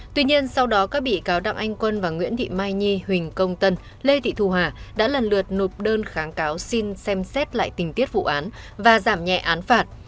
tuy nhiên sau đó các bị cáo đặng anh quân và nguyễn thị mai nhi huỳnh công tân lê thị thu hà đã lần lượt nộp đơn kháng cáo xin xem xét lại tình tiết vụ án và giảm nhẹ án phạt